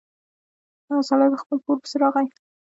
هغه سړی په خپل پور پسې راغی.